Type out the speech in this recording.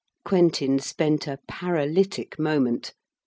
Quentin spent a paralytic moment.